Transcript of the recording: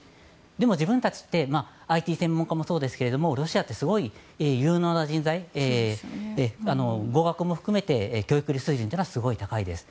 でも、自分たちってＩＴ企業もそうですけどロシアってすごく有能な人材語学も含めて教育水準はすごく高いです。